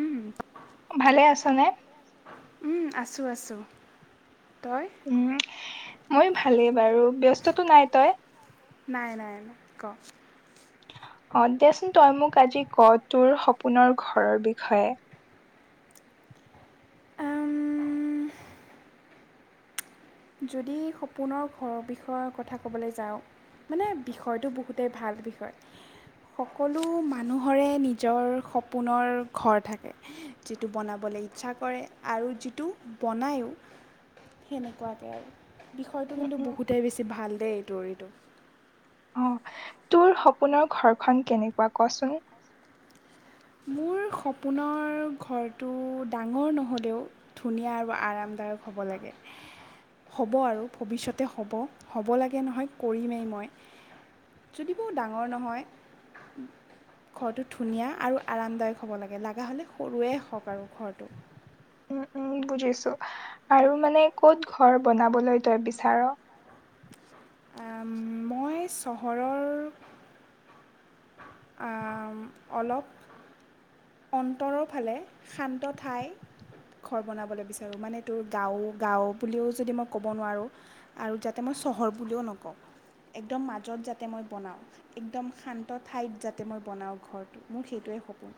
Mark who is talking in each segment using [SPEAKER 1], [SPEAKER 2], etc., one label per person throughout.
[SPEAKER 1] উম
[SPEAKER 2] ভালে আছনে
[SPEAKER 1] আছো আছো
[SPEAKER 2] উম মই ভালেই বাৰু ব্যস্ততটো নাই তই
[SPEAKER 1] ক
[SPEAKER 2] অ দেচোন তই মোক আজি ক তোৰ সপোনৰ ঘৰৰ বিষয়ে [inaudible]
[SPEAKER 1] উম যদি সপোনৰ ঘৰৰ বিষয়ৰ কথা ক'বলৈ যাওঁ মানে বিষয়টো বহুতেই ভাল বিষয় সকলো মানুহৰে নিজৰ সপোনৰ ঘৰ থাকে যিটো বনাবলৈ ইচ্ছা কৰে আৰু যিটো বনায়ো সেনে ক আৰু বিষয়টো কিন্তু বহুতেই বেছি ভাল দেই এইটো এইটো
[SPEAKER 2] অ তোৰ সপোনৰ ঘৰখন কেনেকুৱা কচোন
[SPEAKER 1] মোৰ সপোনৰ ঘৰটো ডাঙৰ নহ'লেও ধুনীয়া আৰু আৰাম ডাৰ্ক হ'ব লাগে [unintelligible] হ'ব আৰু ভৱিষ্যতে হ'ব হ'ব লাগে নহয় কৰিমেই মই যদি বৰ ডাঙৰ নহয় ঘৰটো ধুনীয়া আৰু আৰামদায়ক হ'ব লাগে লগা হ'লে সৰুৱে হওক আৰু ঘৰটো
[SPEAKER 2] উ উম বুজিছো আৰু মানে ক'ত ঘৰ বনাবলৈ তই বিচাৰ
[SPEAKER 1] মই চহৰৰ অ অলপ অন্তৰৰ ফালে শান্ত ঠাই ঘৰ বনাবলৈ বিচাৰো মানে তোৰ গাঁও গাও বুলিও যদি মই ক'ব নোৱাৰোঁ আৰু যাতে মই চহৰ বুলিও নকওঁ একদম মাজত যাতে মই বনাওঁ একদম শান্তত ঠাইত যাতে মই বনাওঁ ঘৰটো মোৰ সেইটোৱে সপোন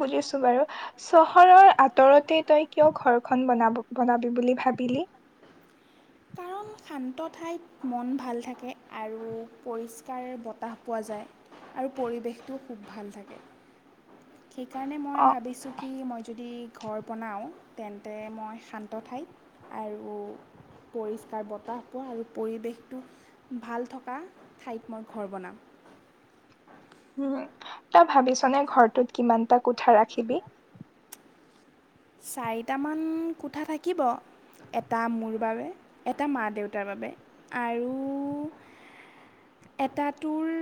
[SPEAKER 2] বোজিছো বাৰু চহৰৰ আঁতৰতে তই কিয় ঘৰখন বনাব বনাবি বুলি ভাবি দিলি
[SPEAKER 1] কাৰণ শান্ত ঠাইত মন ভাল থাকে আৰু পৰিষ্কাৰ বতাহ পোৱা যায় যায় আৰু পৰিৱেশটোও খুব ভাল থাকে সেইকাৰণে মই ভাবিছোঁ কি মই যদি ঘৰ বনাওঁ তেন্তে মই শান্ত ঠাই আৰু পৰিষ্কাৰ বতাহ পোৱা আৰু পৰিৱেশ টো ভাল থকা ঠাইত মই ঘৰ বনাম
[SPEAKER 2] [inaudible] তই ভাবিছ নে ঘৰটোত কিমানটা কোঠা ৰাখিবি
[SPEAKER 1] চাৰিটামান কোঠা থাকিব। এটা মোৰ বাবে এটা মা দেউতাৰ বাবে আৰু এটাটোৰ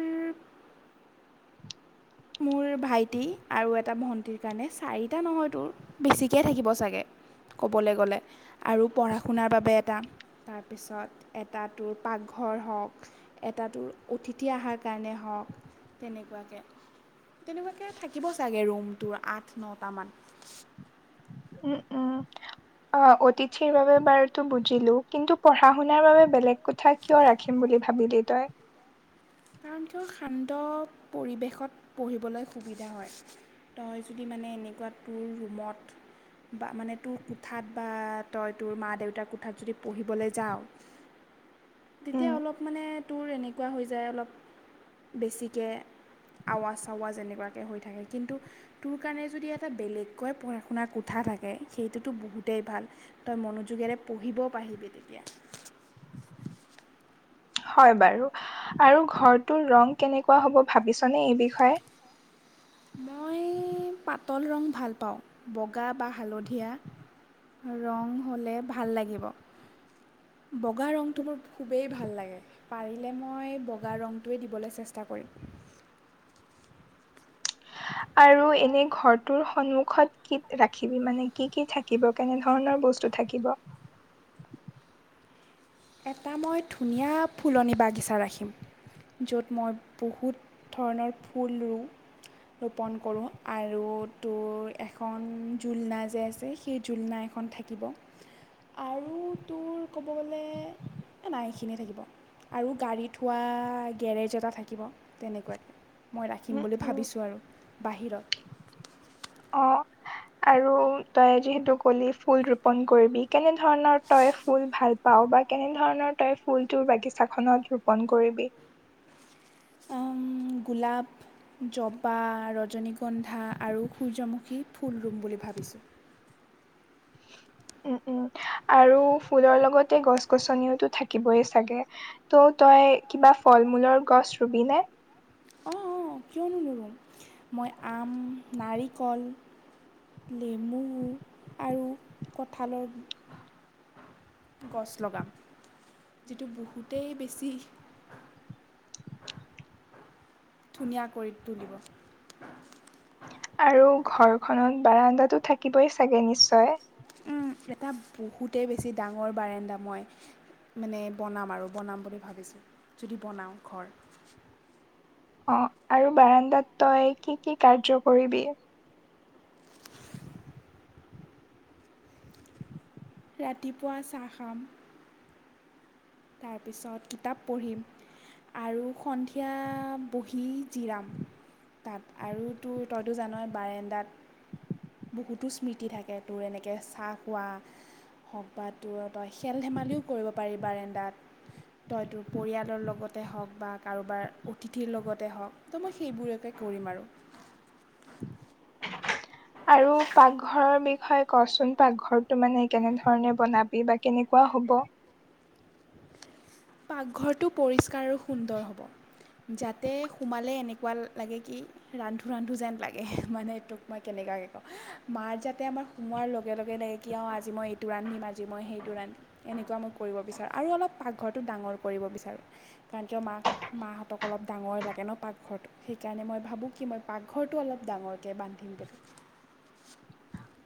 [SPEAKER 1] মোৰ ভাইটি আৰু এটা ভণ্টিৰ কাৰণে চাৰিটা নহয়তোৰ বেছিকেই থাকিব চাগে। ক'বলৈ গ'লে আৰু পঢ়া শুনাৰ বাবে এটা তাৰপিছত এটাটোৰ পাকঘৰ হওক এটাটোৰ অতিথি অহাৰ কাৰণে হওক তেনেকুৱাকে তেনেকুৱাকে থাকিব চাগে ৰুমটোৰ আঠ নটামান
[SPEAKER 2] উম উম অ অতিথিৰ বাবে বাৰুতো বুজিলো কিন্তু পঢ়া শুনাৰ বাবে বেলেগ কথা কিয় ৰাখিম বুলি ভাবিলি তই
[SPEAKER 1] কাৰণ টো শান্ত পৰিৱেশত পঢ়িবলৈ সুবিধা হয় তই যদি মানে এনেকুৱা তোৰ ৰুমত বা মানে তোৰ কোঠাত বা তই তোৰ মা দেউতাৰ কোঠাত যদি পঢ়িবলৈ যাওঁ
[SPEAKER 2] [inaudible]
[SPEAKER 1] তেতিয়া অলপ মানে তোৰ এনেকুৱা হৈ যায় অলপ বেছিকে আৱাজ চাৱাজ এনেকুৱাকে হৈ থাকে কিন্তু তোৰ কাৰণে যদি এটা বেলেগকৈ পঢ়া শুনা কোঠা থাকে সেইটো ত বহুতে ভাল তই মনোযোগেৰে পঢ়িব পাৰিবি তেতিয়া
[SPEAKER 2] [inaudible] হয় বাৰু আৰু ঘৰটোৰ ৰং কেনেকুৱা হ'ব ভাবিছনে এই বিষয়ে
[SPEAKER 1] ম পাতল ৰং ভাল পাওঁ বগা বা হালধীয়া ৰং হ'লে ভাল লাগিব
[SPEAKER 2] [inaudible]
[SPEAKER 1] বগা ৰংটো মোৰ খুবেই ভাল লাগে পাৰিলে মই বগা ৰঙটোৱেই দিবলৈ চেষ্টা কৰিম
[SPEAKER 2] [inaudible] আৰু এনে ঘৰটোৰ সন্মুখত কি ৰাখিবি মানে কি কি থাকিব কেনে ধৰণৰ বস্তু থাকিব
[SPEAKER 1] এটা মই ধুনীয়া ফুলনি বাগিচা ৰাখিম য'ত মই বহুত ধৰণৰ ফুল ৰুম ৰোপণ কৰোঁ আৰু তোৰ এখন জোলনা যে আছে সেই জুলনা এ এখন থাকিব আৰু তোৰ ক'ব গ'লে নাই এইখিনিয়ে থাকিব আৰু গাড়ীত থোৱা গেৰেজ এটা থাকিব তেনেকুৱাকৈ মই ৰাখিম বুলি ভাবিছোঁ আৰু বাহিৰত
[SPEAKER 2] আৰু তই যিহেতু কলি ফুল ৰোপন কৰিবি কেনে ধৰণৰ তই ফুল ভাল পাও বা কেনে ধৰণৰ তই ফুল তোৰ বাগিছাখনত ৰোপন কৰিবি [inaudible]
[SPEAKER 1] গোলাপ জবা ৰজনীগন্ধা আৰু সূৰ্যমুখী ফুল ৰুম বুলি ভাবিছোঁ
[SPEAKER 2] [inaudible] উম উম আৰু ফুলৰ লগতে গছ গছনিওতো থাকিবই চাগে ত' তই কিবা ফল মূলৰ গছ ৰুবিনে
[SPEAKER 1] কিয় নোৰুম মই আম, নাৰিকল নেমু আৰু কঁঠালৰ গছ লগাম যিটো বহুতেই বেছি
[SPEAKER 2] [inaudible]
[SPEAKER 1] ধুনীয়া কৰি তুলিব
[SPEAKER 2] আৰু ঘৰখনত বাৰ্দাতো থাকিবই চাগে নিশ্চয়
[SPEAKER 1] উম এটা বহুতেই বেছি ডাঙৰ বাৰাণ্ডা মই মানে বনাম আৰু বনাম বুলি ভাবিছোঁ যদি বনাওঁ ঘৰ
[SPEAKER 2] অ আৰু বাৰাণ্ডাত তই কি কি কাৰ্য কৰিবি
[SPEAKER 1] ৰাতিপুৱা চাহ খাম তাৰপিছত কিতাপ পঢ়িম আৰু সন্ধিয়া বহী জিৰাম তাত আৰুতো তইতো জান বাৰোণ্ডাত। বহুতো স্মৃতি থাকে তোৰ এনেকে চাহ খোৱা। হওক বা তোৰ তই খেল ধেমালিও কৰিব পাৰিবাাৰেণ্ডাত।
[SPEAKER 2] উ [unintelligible]
[SPEAKER 1] তইতোৰ পৰিয়ালৰ লগতে হওক বা কাৰোবাৰ অতিথিৰ লগতে হওক তো মই সেইবৰেকে কৰি। মাৰোঁ।
[SPEAKER 2] উম। আৰু পাকঘৰৰ বিষয়ে কচোন পাকঘৰটো মানে কেনে ধৰণে বনাবি বা কেনেকুৱা। হ'ব।
[SPEAKER 1] পাকঘৰটো পৰিষ্কাৰ আৰু সুন্দৰ হ'ব। যাতে সোমালে এনেকুৱা লাগে কি ৰান্ধো ৰান্ধো যেন লাগে মানে এইটোক মই কেনেকুৱা যে। মাৰ যাতে আমাৰ সোমোৱাৰ লগে লগে লাগে কি অ আজি মই এইটো ৰান্ধিম আজি মই সেইটো ৰান্ধিম। এনেকুৱা মোক কৰিব বিচাৰে আৰু অলপ পাকঘৰত। ডাঙৰ কৰিব বিচাৰো কাৰণ কিয় মা মাহতক ডাঙৰেই লাগে নে পাকঘৰটো। মই ভাবোঁ কি মই পাকঘৰটো অলপ ডাঙৰকৈ বান্ধিম প।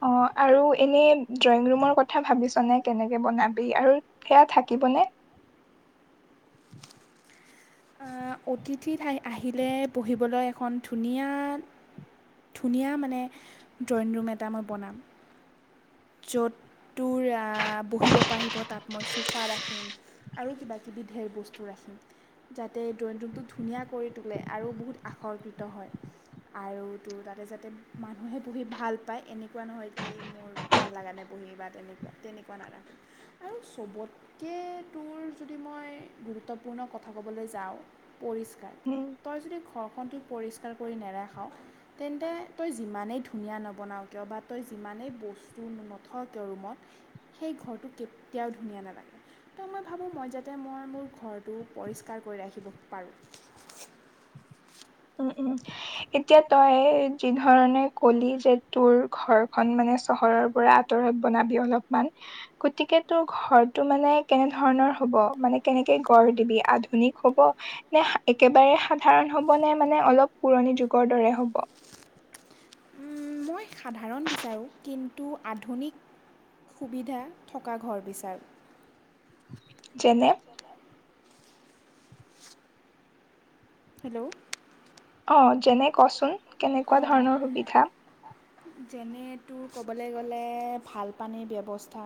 [SPEAKER 2] অ [unintelligible] অ আৰু এনে ড্ৰয়িং ৰুমৰ কথা ভাবিছ নে কেনেকে বনাবি আৰু সেয়া থাকিব। হ'ব নে।
[SPEAKER 1] অতিথিতাই আহিলে পঢ়িবলৈ এখন ধুনীয়া। ধুনীয়া মানে ড্ৰয়িং ৰুম এটা মই বনাম। য'ত ত আহ বহিব পাৰিব তাত মই চোফা ৰাখিম আৰু কিব কিবি ঢেৰ বস্তু ৰাখিম। যাতে ড্ৰয়িং ৰুমটো ধুনীয়া কৰি তোলে আৰু বহুত আকৰ্ষিত হয়। আৰু তোৰ তাতে যাতে মানুহে পুহি ভাল পায় এনেকুৱা নহয় এ কি মোৰ। ভাল লগ নে পঢহি বা তেনেকুৱা তেনেকুৱা নাৰাখ আৰু চবতকে তোৰ যদি মই। মই গুৰুত্বপূৰ্ণ কথা ক'বলৈ যাওঁ পৰিষ্কাৰ তই যদি। ষ্ কৰি নেখাওঁ তেন্তে তই যি ধ নবও কিয় বাই যি। মানে বস। নথ কিয় ৰুমত সেই ঘৰটো কেতিয়াও ধুনীয়া নালাগে তো মই ভাবোঁ মই যাতে। মই মোৰ ঘৰটো পৰিষ্কাৰ কৰি ৰাখিব পাৰোঁ।
[SPEAKER 2] উ [unintelligible] উম উম এতিয়া তই যি ধৰণে কলি যে তোৰ ঘৰখন মানে। চহৰৰ পৰা আঁতৰত বনাবি অলপ গতিকে তোৰ ঘৰটো মানে কেনে ধৰণৰ। হব মানে কেনেকে গঢ় দিবি আধুনিক হব নে একেবাৰে সাধাৰণ হব। মানে অলপ পুৰণি যগৰ দৰে হ'ব।
[SPEAKER 1] মই সাধাৰণ বিচাৰোঁ কিন্তু আধুনিক। সুবিধা থকা ঘৰ বিচাৰোঁ।
[SPEAKER 2] যেনে।
[SPEAKER 1] হেল্ল'।
[SPEAKER 2] অ যেনে কচোন কেনেকুৱা ধৰণৰ সুবিধা।
[SPEAKER 1] যেনেতো ক'বলৈ গ'লে ভাল পানীৰ ব্যৱস্থা।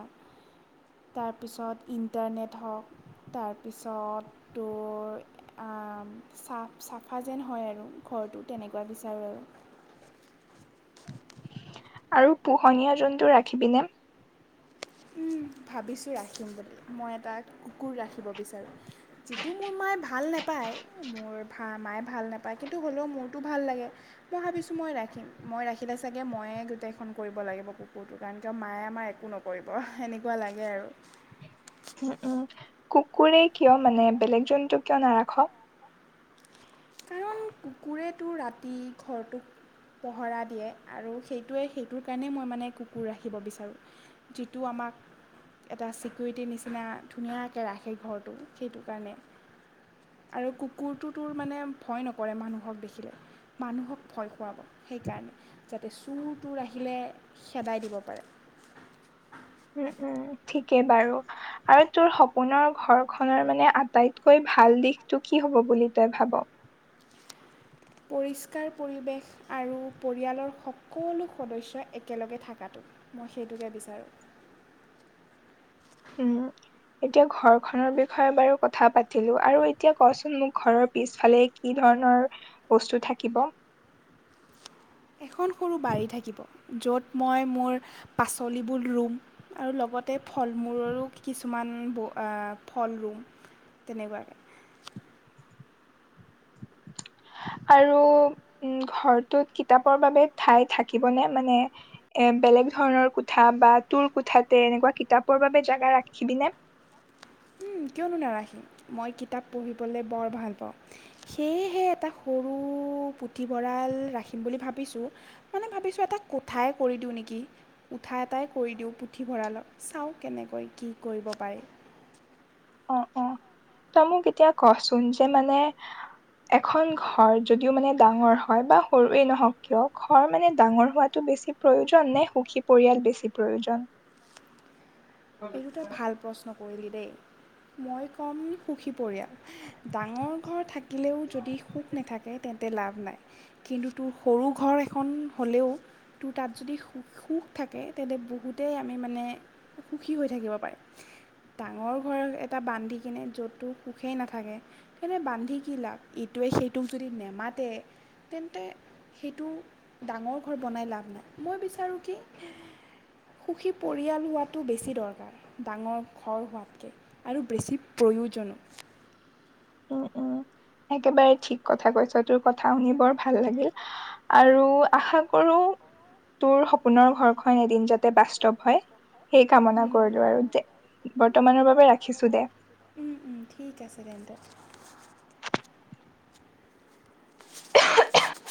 [SPEAKER 1] তাৰপিছত ইণ্টাৰনেট হওক। তাৰপিছত তোৰ আম চা চাফা যেন হয় আৰু। ঘৰটো তেনেকুৱা বিচাৰোঁ আৰু
[SPEAKER 2] আৰু পোহনীয়া জন্তু ৰাখিবিনে।
[SPEAKER 1] উম ভাবিছো ৰাখিম বুলি মই এটা কুকুৰ ৰাখিব বিচাৰো যিটো মোৰ মা। মাই ভাল নেপাই মোৰ ভা মাই ভাল নাপায় কিন্তু হ'লেও মোৰতো ভাল লাগে মই ভাবিছো মই। ৰাখিম মই ৰাখিলে চাগে ময়ে গোটেইখন কৰিব লাগিব কুকুৰটোৰ কাৰণে কিয় মায়ে আমাৰ একো নক-। কৰিব সেনেকুৱা লাগে আৰু।
[SPEAKER 2] উম উম কুকুৰে কিয় মানে বেলেগ জন্তু কিয় নাৰাখ।
[SPEAKER 1] কাৰণ কুকুৰেতো ৰাতি ঘৰটোক পহৰা দিয়ে আৰু সেইটোৱে সেইটোৰ কাৰণে মই মানে কুকুৰ ৰাখিব বিচাৰোঁ যিটো আমা- ক এটা চিকিউৰিটিৰ নিচিনা ধুনীয়াকৈ ৰাখে ঘৰটো সেইটো কাৰণে আৰু কুকুৰটো তোৰ মানে ভয় নকৰে মানুহক দেখিলে মানুহক ভয় খুৱাব সেইকাৰণে যাতে চুৰ তুৰ আহিল লে খেদাই দিব পাৰে।
[SPEAKER 2] [inaudible] উম উম ঠিকেই বাৰু আৰু তোৰ সপোনৰ ঘৰখনৰ মানে আটাইতকৈ ভাল ভাল দিশটো কি হ'ব বুলি তই ভাব?
[SPEAKER 1] পৰিষ্কাৰ পৰিৱেশ আৰু পৰিয়ালৰ সকলো সদস্য একেলগে থকাতো। মই সেইটোকে বিচাৰোঁ।
[SPEAKER 2] উম। এতিয়া ঘৰখনৰ বিষয়ে বাৰু কথা পাতিলো আৰু এতিয়া কচোন মোক ঘৰৰ পিছফালে কি ধৰ- ৰনৰ বস্তু থাকিব
[SPEAKER 1] এখন সৰু বাৰী থাকিব য'ত মই মোৰ পাচলিবোৰ ৰুম আৰু লগতে। ফল মূলৰো কিছুমান। ফল ৰুম তেনেকুৱাকে
[SPEAKER 2] [inaudible] আৰু উম ঘৰটোত কিতাপৰ বাবে ঠাই থাকিবনে মানে এ বেলেগ ধৰণৰ কোঠা বা তোৰ কোঠাতে এনেকুৱা কিতাপৰ বাবে জেগা ৰাখিবিনে? [inaudible]
[SPEAKER 1] কিয়নো নাৰাখিম মই কিতাপ পঢ়িবলৈ বৰ ভাল পাওঁ সেয়েহে এটা সৰু পুথিভঁৰাল ৰাখিম বুলি ভাবিছোঁ মানে ভাবিছোঁ এটা কোঠাই কৰি দিওঁ নেকি। কোঠা এটাই কৰি দিওঁ পুথিভঁৰালত চাওঁ কেনেকৈ কি কৰিব পাৰি।
[SPEAKER 2] অ অ তই মোক এতিয়া কচোন যে মানে এখন ঘৰ যদিও মানে ডাঙৰ হয় বা সৰুৱে নহওক কিয় ঘৰ মানে ডাঙৰ হোৱাটো বেছি প্ৰয়োজন নে সুখী পৰিয়াল বেছি প্ৰয়োজন।
[SPEAKER 1] এই দুটা ভাল প্ৰশ্ন কৰিলি দেই মই ক'ম সুখী পৰিয়াল ডাঙৰ ঘৰ থাকিলেও যদি সুখ নাথাকে তেন্ত তে লাভ নাই কিন্তু তোৰ সৰু ঘৰ এখন হ'লেও তোৰ তাত যদি সুখ থাকে তেন্তে বহুতেই আমি মানে সুখী হৈ থাকিব পাৰো। ডাঙৰ ঘৰ এটা বান্ধি কিনে যতো সুখেই নাথাকে তেনে বান্ধি কি লাভ ইটো- ৱে সেইটোক যদি নেমাতে। তেন্তে সেইটো ডাঙৰ ঘৰ বনাই লাভ নাই মই বিচাৰোঁ কি সুখী পৰিয়াল হোৱাত টো বেছি দৰকাৰ ডাঙৰ ঘৰ হোৱাতকৈ আৰু বেছি প্ৰয়োজনো।
[SPEAKER 2] উম উম একেবাৰে ঠিক কথা কৈছ তোৰ কথা শুনি বৰ ভাল লাগিল আৰু আশা কৰো তোৰ সপোনৰ ঘৰখন এদিন যাতে বাস্তৱ হয়। সেই কামনা কৰিলো আৰু দে বৰ্তমানৰ বাবে ৰাখিছো দে
[SPEAKER 1] উম উম ঠিক আছে তেন্তে